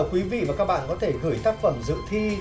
quý vị và các bạn có thể gửi tác phẩm dự thi